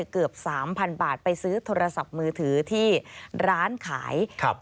เกือบ๓๐๐๐บาทไปซื้อโทรศัพท์มือถือที่ร้านขาย